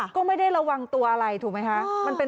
ก็ไม่ได้ระวังตัวอะไรถูกไหมคะ